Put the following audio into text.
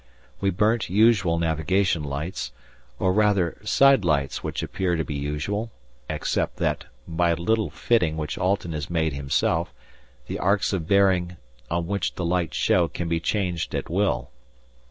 We burnt usual navigation lights, or rather side lights which appear to be usual, except that, by a little fitting which Alten has made himself, the arcs of bearing on which the lights show can be changed at will.